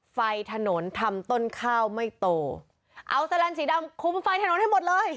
ไฟถนนทำต้นข้าวไม่โตเอาแสลันสีดำคุมไฟถนนให้หมดเลย